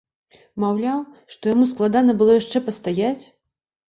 Маўляў, што яму, складана было яшчэ пастаяць?!